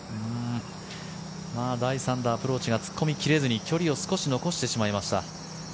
第３打、アプローチが突っ込み切れずに距離を少し残してしまいました。